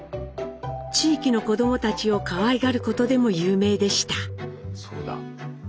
地域の子どもたちをかわいがることでも有名でした。